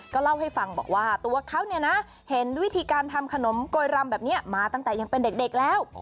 ก็เล่าให้ฟังบอกว่าตัวเขาเนี่ยนะเห็นวิธีการทำขนมโกยรำแบบนี้มาตั้งแต่ยังเป็นเด็กแล้ว